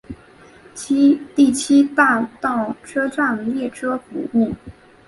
第七大道车站列车服务。